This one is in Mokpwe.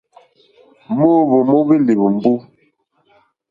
Móǒhwò móóhwì lìhwùmbú.